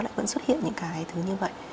và nó sẽ xuất hiện những cái thứ như vậy